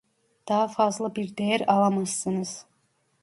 Daha fazla bir değer alamazsınız